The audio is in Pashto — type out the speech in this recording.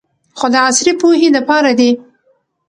خو د عصري پوهې د پاره دې